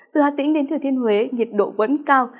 từ hà tĩnh đến thừa thiên huế nhiệt độ vẫn cao